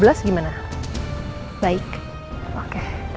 kalau gitu sekali lagi terima kasih ya jessica